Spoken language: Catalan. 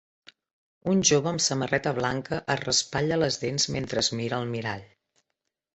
Un jove amb samarreta blanca es raspalla les dents mentre es mira al mirall.